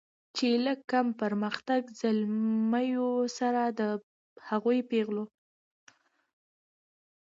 چې له کم پرمختګه زلمیو سره د هغو پیغلو